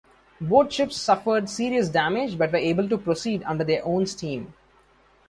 Both ships suffered serious damage but were able to proceed under their own steam.